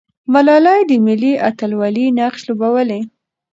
ملالۍ د ملي اتلولۍ نقش لوبولی.